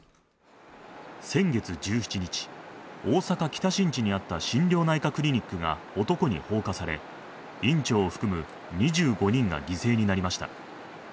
先月１７日大阪・北新地にあった心療内科クリニックが男に放火され院長を含む２５人が犠牲になりました